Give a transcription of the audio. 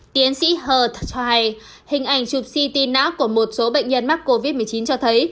tiến sĩ hurt cho hay hình ảnh chụp si tin não của một số bệnh nhân mắc covid một mươi chín cho thấy